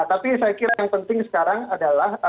tapi saya kira yang penting sekarang adalah